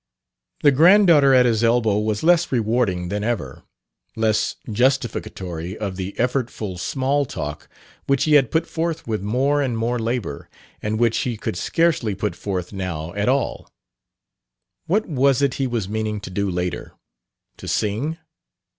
The granddaughter at his elbow was less rewarding than ever, less justificatory of the effortful small talk which he had put forth with more and more labor, and which he could scarcely put forth now at all. What was it he was meaning to do later? To sing?